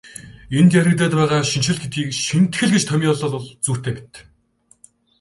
Энд яригдаад байгаа шинэчлэл гэдгийг шинэтгэл гэж томьёолбол зүйтэй мэт.